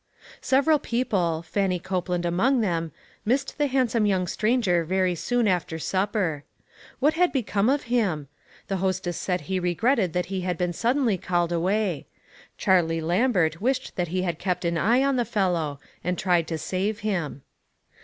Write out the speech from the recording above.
Several people, Fannie Copehind among them, missed the handsome young stranger very soon after supper. What had become of him? The hostess said he regretted that he hud been suddenly called away. Charlie 268 ONE COMMONPLACE DAY. Lambert wished that he had kept an eye on the fellow, and tried to save him.